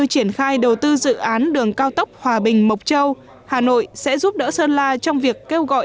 triển khai đầu tư dự án đường cao tốc hòa bình mộc châu hà nội sẽ giúp đỡ sơn la trong việc kêu gọi